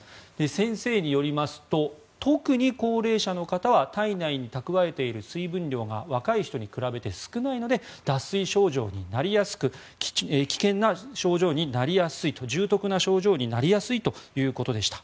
先生によりますと特に高齢者の方は体内に蓄えている水分量が若い人に比べて少ないので脱水症状になりやすく危険な症状になりやすい重篤な症状になりやすいということでした。